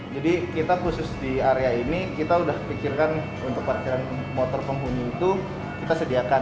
jadi kita khusus di area ini kita udah pikirkan untuk parkiran motor penghuni itu kita sediakan